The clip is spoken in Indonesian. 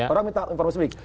orang minta informasi publik